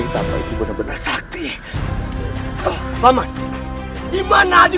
kau kurang tahu apain ini